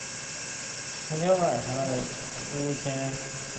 学院的主要资金来自于校友所捐赠。